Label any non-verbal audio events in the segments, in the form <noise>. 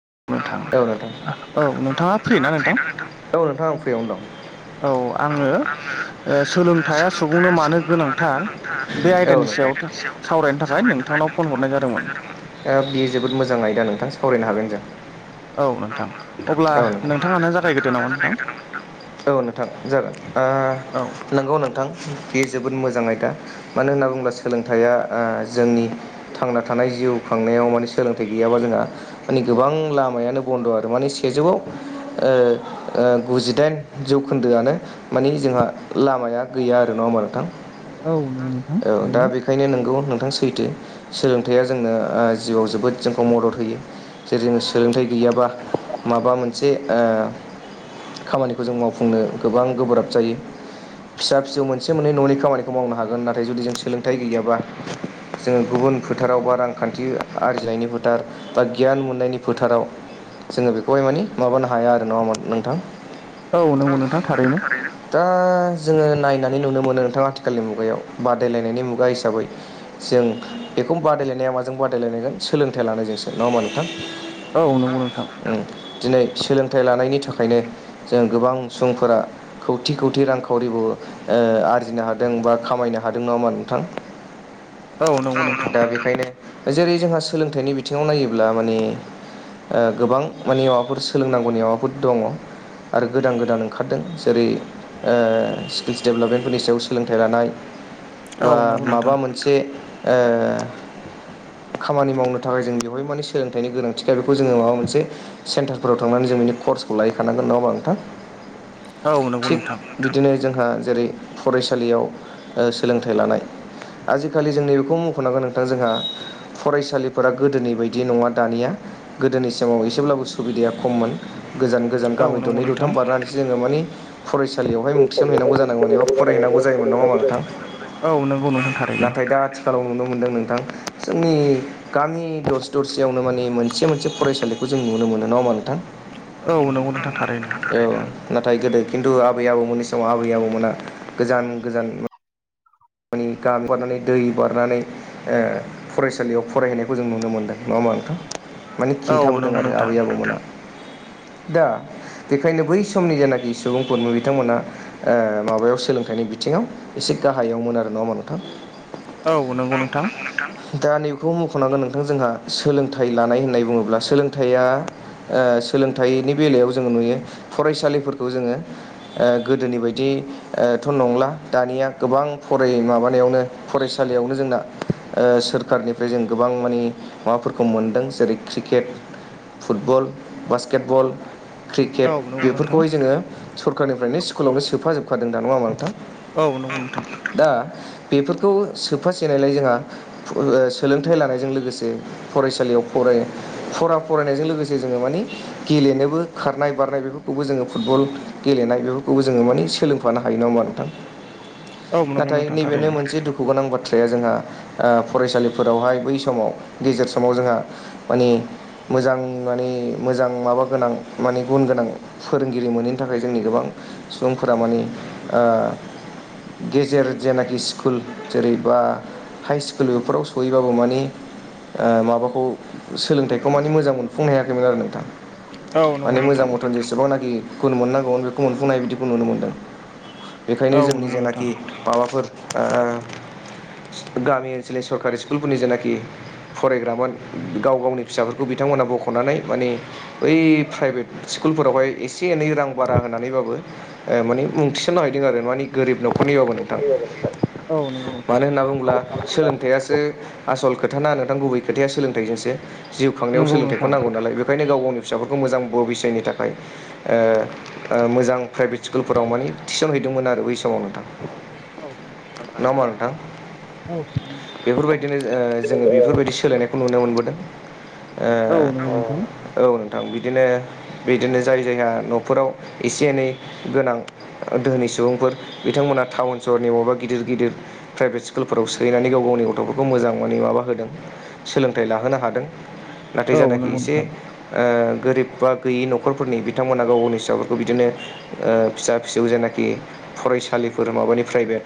औ नोंथां औ नोंथां आं फ्रियावनो दं। औ आङो ओ सोलोंथाइया सुबुंनो मानो गोनांथार बे आयदानि सायाव सावरायनो थाखाय नोंथांनो फन हरनाय जादोंमोन। हागोन जों। औ नोंथां अब्ला नोंथाङानो जागायग्रोदो नामा नोंथां औ नोंथां जागोन ओ नंगौ नोंथां बेयो जोबोद मोजाङै आयदा मानो होनना बुङोब्ला सोलोंथाइया ओ जोंनि थांना थानाय जिउ खांनायाव माने सोलोंथाइ गैयाबा जोंहा माने गोबां लामायानो बन्द' आरो माने सेजौआव ओ गुजिदाइन जौखोन्दोआनो माने जोंहा लामाया गैया आरो नङा होमबा नोंथां औ दा बेखायनो नोंगौ नों थां सैथो सोलोंथाइया जोंनो ओ जिउआव जोबोद जोंखौ मदद होयो जेरै जों सोलोंथाइ गैयाबा माबा मोनसे ओ खामानिखौ जों मावफुंनो गोबां गोब्राब जायो। फिसा फिसौ मोनसे मोननै न'नि खामानिखौ मावनो हागोन नाथाय जुदि जों सोलोंथाइ गैयाबा जोङो गुबुन फोथाराव बा रांखान्थि आरजिनायनि फोथार बा गियान मोननायनि फोथाराव जोङो बेखौहाय माने माबानो हाया आरो नङा होमबा नोंथां? दा जोङो नायनानै नुनो मोनो नोंथाङा आथिखालनि मुगायाव बादायलायनायनि सोलोंथाइ लानायजोंसो नङा होमबा नोंथां उम दिनै सोलोंथाइ लानायनि थाखायनो जों गोबां सुबुंफोरा खौथि खौथि रांखावरिबो ओ आरजिनो हादों बा खामायनो हादों नङा होमबा नोंथां? दा बेखायनो जेरै जोंहा सोलोंथाइनि बिथिङाव नायोब्ला माने ओ गोबां माने माबाफोर सोलोंनांगौनि माबाफोर दङ आरो गोदान गोदान ओंखारदों जेरै ओ स्किल्स डेभेलपमेन्टफोरनि सायाव सोलोंथाइ लानाय बा माबा मोनसे ओ खामानि मावनो थाखाय जों बेवहाय माने सोलोंथाइनि गोनां थिखाय बेखौ जोङो माबा मोनसे सेन्टारफोराव थांनानै जों बिनि कर्सखौ लाहैखानांगोन नङा होमबा नोंथां थिक बिदिनो जों जोंहा जेरै फरायसालियाव ओ सोलोंथाइ लानाय आजिखालि जों नैबेखौ मख'नांगोन नोंथां जोंहा फरायसालिफोरा गोदोनि बायदि नङा दानिया गोदोनि समाव एसेब्लाबो सुबिदाया खममोन गोजान गोजान गामि दरनै दरथाम बारनानैसो जोङो माने फरायसालियावहाय मुं थिसन हैैनांग जानांगौमोन एबा फरायहैनांगौ जायोमोन नङा होमबा नोंथां औ नंगौ नोंथां थारैनो आथिखालाव नुनो मोनदों नोंथां जोंनि गामि दरसे दरसेयावनो माने मोनसे फरायसालिखौ जों नुनो मोनो नङा होमबा नोंथां औ नंगौ नोंथां थारैनो नाथाय गोदो खिन्थु आबै आबौमोननि समाव आबै आबौमोना गोजान गोजान माने गामि बारनानै दै बारनानै ओ फरायसालियाव फरायहैनायखौ जों नुनो मोनदों नङा माने खिन्थाबोदों आरो आबै आबौमोना दा बेखायनो बै समनि जेनाखि सुबुंफोर बिथांमोना ओ माबायाव सोलोंथाइनि बिथिङाव एसे गाहायावमोन आरो नङा होमबा नोंथां औ नंगौ नोंथां दा नैबेखौ मख'नांगोन नोंथां जोंहा सोलोंथाइ लानाय होननाय बुङोब्ला सोलोंथाइया ओ सोलोंथाइनि बेलायाव जोङो नुयो फरायसालिफोरखौ जोङो‌ओ‌ गोदोनि बायदि ओ दथ' नंला दानिया गोबां फराय माबानायावनो फरायसालियावनो जोंना ओ सोरखारनिफ्राय जों गोबां माने माबाफोरखौ मोनदों जेरै क्रिकेट फुटबल बासकेटबल क्रिकेट बेफोरखौहाय जोङो सरखारनिफ्रायनो स्कुलावनो सोफाजोबखादों दा नङा होमबा नोंथां औ नंगौ नोंथां दा बेफोरखौ सोफासेनायलाय जोंहा सोलोंथाइ लानायजों लोगोसे फराय फरायसालियाव फरायो फरा फरायनायजों लोगोसे जोङो मानि गेलेनोबो खारनाय बारनाय बेफोरखौबो जोङो फुटल गेलनाय बेफोरखौबो जोङो माने सोलोंफानो हायो नङा होमबा नोंथां नाथाय नैबेनो मोनसे दुखु गोनां बाथ्रा बाथ्राया जोंहा ओ फरायसालिफोरावहाय बै समाव गेजेर समाव जोंहा मानि मोजां माने मोजां माबा गोनां माने गुन गोनां फोरोंगिरि मोनैनि थाखाय जोंनि गोबां सुबुंफोरा माने ओ गेजेर जेनाखि स्कुल जेरै बा हाइ स्कुल बेफोराव सहैबाबो मानि आं माबाखौ सोलोंथाइखौ माने मोजां मोनफुंनो हायाखैमोन आरो नोंथां माने मोजां मथन जेसेबांनाखि गुन‌ मोननांगौमोन बेखौ मोनफुंनाय बिदिखौ नुनो मोनदों बेखायनो जोंनि जेनाखि माबाफोर ओ गामि ओनसोलनि सरकारि स्कुलफोरनि जेनाखि फरायग्रामोन गाव गावनि फिसाफोरखौ बिथांमोनहा बख'नानै माने बै प्राइभेट सु स्कुलफोरावहाय एसे एनै रां बारा होनानैबाबो ओ माने मुं थिसन्ना हैदों आरो माने गोरिब नखर मानो होनना बुङोब्ला सोलोंथायासो आसल खोथाना नोंथां गुबै खोथाया सोलोंथाइजोंसो जिउ खांनायाव सोलोंथाइखौ नांगौ नालाय बेखायनो गाव गावनो नि फिसाफोरखौ मोजां बर'बिसयनि थाखाय। ओ। ओ मोजां प्राइभेट स्कुलफोराव माने टिउसन हैदोंमोन आरो बै समाव नोंथां। औ थांथारै बेफोरबायदि नो ओ जोङो बेफोरबायदि सोलायनायखौ नुनो मोनबोदों। ऐ औ। थां बिदिनो बिदिनो जाय जायहा न'फोराव एसे एनै गोनां दधहनि सुबुंफोर बिथांमोना टाउन सहरनिबेबा गिदिर गिदिर प्राइभेट स्कुलफोराव सहायनानै गाव गावनि गथ'फोरखौ मोज मानि माबा होदों सोलोंथाइ लाहोनो हादों। नाथाय जानाखि एसे ओ गोरिब बा गैयि नखरफोरनि बिथांमोना गाव गावनि ओ फिसाफोरखौ बिदिनो फिसा फिसौ जेनाखि फरायसालिफोर माबानि प्राइभेट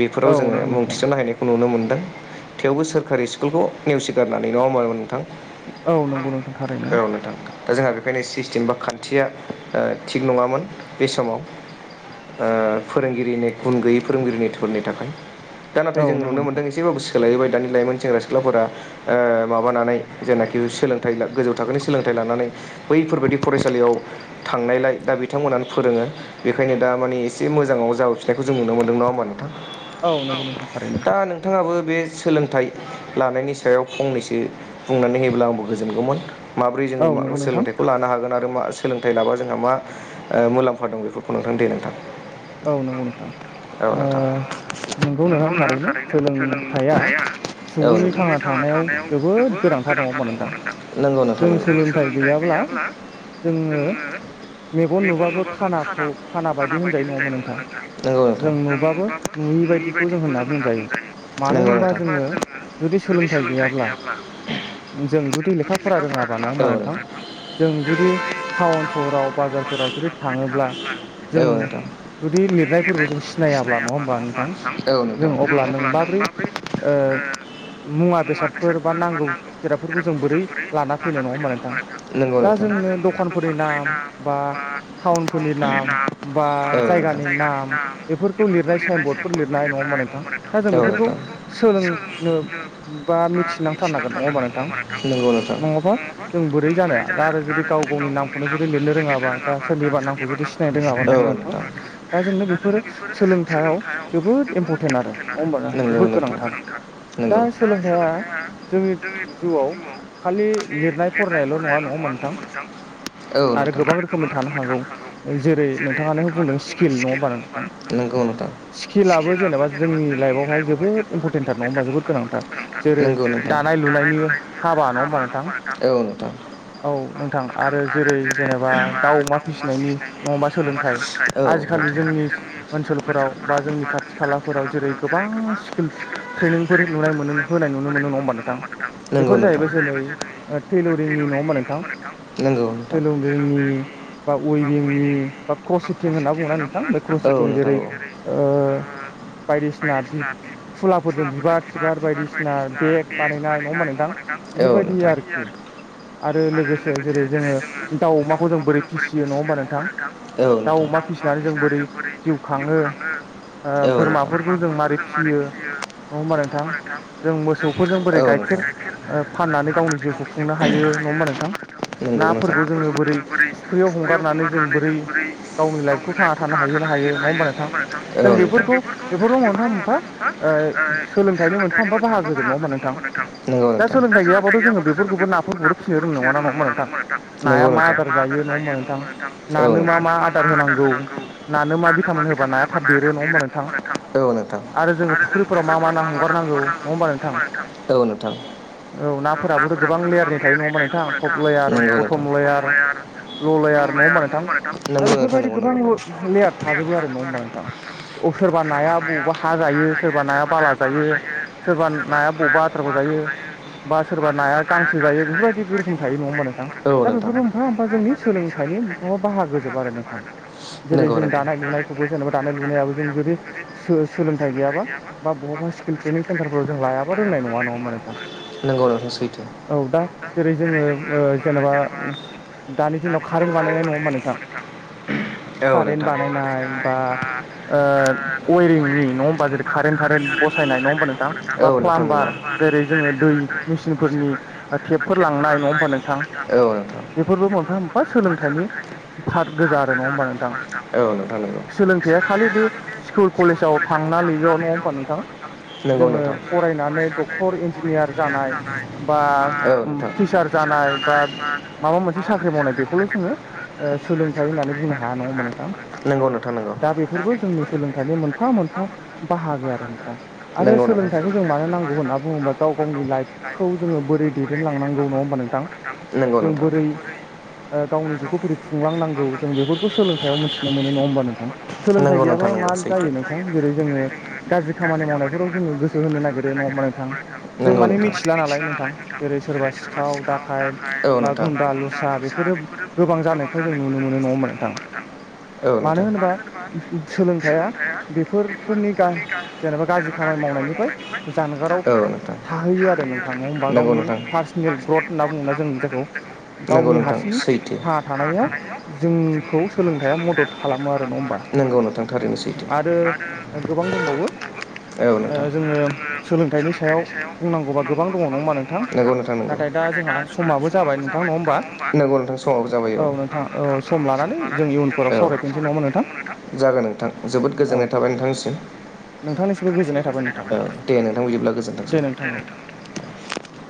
बेफोराव जोङो मुं थिसननो हायनायखौ नुनो मोनो। <inaudible> थेवबो सोरखारि स्कुलखौ नेवसिगारनानै नङा अ नोंथां <unintelligible> औ नोंथां। दा जोंहा बेखायनो सिस्टेम बा खान्थिया ओ थिग नङामोन बे समाव ओ। फोरोंगिरिनि गुन गैयै फोरोंगिरिनिफोरनि थाखाय दा नाथाय जों नुनो मोनदों एसेबाबो सोलायबाय दानि लाइमोन सेंग्रा सिख्लाफोरा ओ माबानानै जेनाखि सोलोंथाइ गोजौ थाखोनि सोलोंथाइ। लानानै बैफोरबायदि फरायसालियाव थांनायलाय दा बिथांमोन फोरोङो बेनिखायनो दा निसे मोजांआव जोफिनायखौ जों नुनो मोनदों नङा होमबा नोंथां। औ दा नोंथांबो बे सोलोंथाइ लानायनि सायाव फंनैसो बुंनानै होयोब्ला आंबो गोजोनगौमोन। माबोरै जोङो म सोलोंथाइखौ लानो हागोन? आरो मा सोलोंथाइ लाबा? जोंहा मा ओ मुलाम्फा दं बेफोरखौ नोंथां दे नोंथां? औ नंगौ नोंथां। ओ नोंगौ नो खारैनो सोलोंथाया। औ। <inaudible> थांना थानायाव जोबोद गोनांथार दङ नोंथां। नंगौ नोंथां नंगौ जों सोलोंथाइ गैयाब्ला जोङो मेगन नुबाबो खाना खाना बायदि होनजनाय ना <unintelligible> औ नोंथां। जों नुबाबो नचयैबायदिखै जों होनना बुंजायो मानो होनोब्ला जों। जुदि सोलोंथाइ गैयाब्ला। जों जुदि लेखा फरा रोङाबा नङा होमबा नोंथां। जों जुदि टाउन सहराव बाजारफोराव जुदि थाङोब्ला जों। जुदि लिरनायफोरखौ जों सिनायाब्ला नङा होमबा नोंथां जों अब्ला नों माब्रै ओ मुवा बेसादफोर बा नांगौ जिरादफोरखौ जों बोरै लाना फैनाय नङा होना नोंथां दा जोंनो दखानफोरनि नाम बा टाउनफोरनि नाम बा जायगानि नाम बेफोरखौ लिरनाय साइन बरर्ड फोर लिरनाय नङा हा नोंथां दा जों बेफोरखौ सोलों न नो मिथिांथारनांगोन नङाहोमबा नोंथां। नङाबा जों बोरै जानो फ्राय आरो जुदि गाव गावनि नामखौनो जुदि लिरनो रोङाबा बा सोरनिबा नामखौ जुदि सिनायनो रोङाबा नङा नोंथां। दा जोंनो बेफोरो सोलोंथायाइाव जोबोद इम्परटेन्ट आरो नङा होमबाना जोबोद गोनांथार। दा सोलोंथाइा जोंनि जिउआव खालि लिरनाय फरायनायल' नङा नङाहोमबा नोंथां। आरो गोबां रोखोमै थानो हागौ जेरै' <unintelligible> नोंथाङा। नोंगौ नोंथां स्किलाबो जेनेबा जोंनि लाइफआवहाय जोबोद गनायजाथाव नङा होमबा नोंथां। नंगौ नोंथां। जेरै' दानाय लुनायनि हाबा नङा होमबा नोंथां। औ नोंथां। औ नोंथां आरो जेरै' जेनेबा दाउ अमा फिसिनायनि नङाबा सोलोंथाइ। आजिखालि जोंनि ओनसोलफोराव बा जोंनि खाथि खालाफोराव जेरै' गोबां स्किल ट्रेनिंफोर नुनाय मोन होनाय नुनो मोनो नङा होमबा नोंथां। बेफोर जाहैबाय जेरै' ओ टेलरिंनि नङा होनोमबा नोंथां। सोलोंदनि बा उइबिंनि बा कसि टिं होनना बुङो नोंथां बे क्रसि टिं जेरै' ओ। बायदिसिना बि फुलाफोरजों बिबार थिबार बायदिसिना बेग बानायनाय नङा होमबा नोंथां बेफोरबायदि आरोखि आरो लोगोसे जेरै जोङो दाव अमाखौ जों बोरै फिसियो नङा होमबा नोंथां दाव अमा फिसिनानै जों बोरै जिउ खाङो ओ बोरमाफोरखौ जों मारै फिसियो रो नङा होमबा नोंथां? जों मोसौफोरजों बोरै गाइखेर फाननानै गावनि जिउखौ खुंनो हायो नङा होमबा नोंथां? नाफोरखौ जोङो बोरै फुख्रियाव हगारनानै जों बोरै गावनि लाइफखौ थांना थानो हाहोनो हायो नङा होमबा नोंथां जों बेफोरखौ बेफोरखौ मोनफा मोनफा ओ सोलोंथाइनि मोनफा मोनफा बाहागो दों नङा होमबा नोंथां दा सोलोंथाइ गैयाबाथ' जोङो बेफोर गुबुन ना फोरखौनो फिसिनो रोंनाय‌ नङाना नोंथां नाया मा आदार जायो नङा होमबा नोंथां नानो‌ मा नो मा आदार होनांगौ नानो मा भिटामिन होबा नाया थाब‌ देरो‌ नङा होमबा नोंथां आरो जोङो फुख्रिफोराव मा मा ना हगारनांगौ नङा होमबा नोंथां? औ नाफोराबो' गोबां लेयारनि थायो नङा होमबा नोंथां टप लेयार बटम लेयार ल'लेयार नङा होमबा नोंथां? दा बेफोरबायदि गोबां लेयार थाजोबो आरो नङा होमबा नोंथां सोरबा नाया बबावबा हा जायो यो सोरबा नाया बाला जायो‌ सोरबा नाया बबेबा आद्राखौ जायो बा सोरबा नाय गा गांसो जायो बेफोरबायदि गो रोखोम थायो नङा होमबा नोंथां दा बेफोरबो मोनफा मोनफा जोंनि सोलोंथाइनि माबा बाहागो फोजोबो आरो नोंथां। जेरै जों दानाय लुनायखौबो जेनेबा दानाय लुनायाबो जों जुदि सो सोलोंथाइ गैयाबा मा ब आ स्किल ट्रेनिं सेन्टारफोराव जों लायाबा रोंनाय नङा नङा होमबा नोंथां? औ दा जेरै जोङो ओ जेनेबा दानि दिनाव कारेन्ट बानायनाय नङा होमबा नोंथां? <unintelligible> कारेन्ट बानायनाय बा ओ अवेरिंनि नङा होमबा जै कारेेनट थारेन्त बसायनाय नङा होमबा नोंथां बा प्लामबार जेरै जोङो दै मेसिनफोरनि टेपफोर लां नाय नङा होमबा नोंथां बेफोरबो मोनफा मोनफा सोलोंथाइनि फारथ गोजा आरो नङा होमबा नोंथां सोलोंथाइया खालि बे स्कुल कलेजाव थांना नैल' नङा होमबा नोंथां जोङो फरायनानै डक्टर इन्जिनियार जानाय बा आर टुइसार जानाय बा माबा मोनसे साख्रि मावनाय बेखौल' जोङो सोलोंथाइ होननानै बुंनो हाया नङा होमबा नोंथां? दा बेफोरबो जोंनि सोलोंथाइनि मोनफा मोनफा बाहागो आरो नोंथां। आरो सोलोंथाइखौ जों मानो नांगौ होनना बुङोबा गाव गावनि लाइफखौ जोङो बोरै दैदेनलांनांगौ नङा होनबा नों नोंथां? नंगौ नोंथां। ओ गावनि जिउखौ बोरै खुंलांनांगौ जों बेफोरखौ सोलोंथाव मिथिनो मोनो नङा होमबा नोंथां सोलोंथाइ गैयाबा मा जायो नोंथां जेरै जोङो गाज्रि खामानि मावनायफोराव जोङो गोसो होनो नागिरो नङा होमबा नोंथां? जों माने मिथिला नालाय नोंथां जेरै सोरबा सिखाव दाखायत बा गुन्दा लुसार बेफोर गोबां जानायखौ जों नुनो मोनो नङा होमबा नोंथां? मानो होनोबा सोलोंथाइया बेफोरफोरनि गा‌ जेनेबा गाज्रि खामानि मावनायनिफ्राय जानगाराव थाहैयो आरो नोंथां नङा होमबा गावनि पार्सनेल ग्रथ होनना बुङो। जों जायखौ गावनि हारसिंनि था थानायाव जोंखौ सोलोंथाया मद'द खालामो आरो नङा होमबा आरो गोबां दंबावो। ओ जोङो सोलोंथाइनि सायाव बुंनांगौबा गोबां दङ नङा होमबा नोंथां नाथाय दा जोंहा समाबो जाबाय नोंथां नङा होमबा? औ नोंथां औ सम लानानै जों इयुनफोराव सावरायफिनसै नङा होमबा नोंथां? जागोन नोंथां जोबोद गोजोननाय थाबाय नोंथांनिसिम। नोंथांनिसिमबो ‌गोजोननाय थाबाय औ दे नोंथां बि बिदिब्ला गोजोनथोंसै दे नोंथां।